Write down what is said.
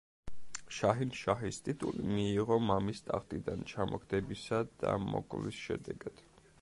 შაჰინშაჰის ტიტული მიიღო მამის ტახტიდან ჩამოგდებისა და მოკვლის შედეგად.